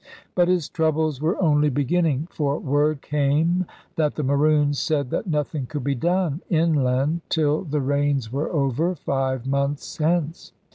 But his troubles were only be ginning; for word came that the Maroons said that nothing could be done inland till the rains were over, five months hence.